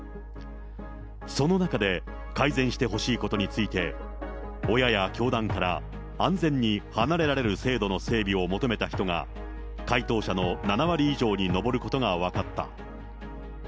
その中で、改善してほしいことについて、親や教団から安全に離れられる制度の整備を求めた人が、回答者の７割以上に上ることが分かった。